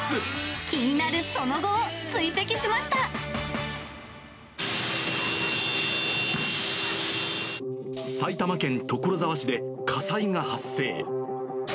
気になるその後を追跡しまし埼玉県所沢市で火災が発生。